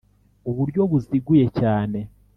uburyo buziguye cyane